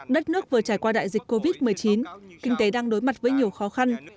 đất nước vừa trải qua đại dịch covid một mươi chín kinh tế đang đối mặt với nhiều khó khăn